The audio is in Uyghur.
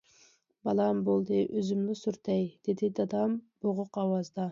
‹‹ بالام، بولدى ئۆزۈملا سۈرتەي›› دېدى دادام بوغۇق ئاۋازدا.